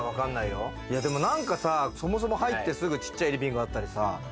でも、そもそも入ってすぐちっちゃいリビングあったりさ。